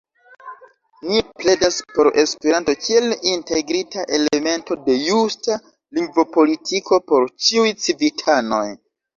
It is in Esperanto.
Ni pledas por Esperanto kiel integrita elemento de justa lingvopolitiko por ĉiuj civitanoj.